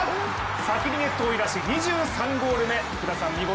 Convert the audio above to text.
先にネットを揺らし２３ゴール目、見事。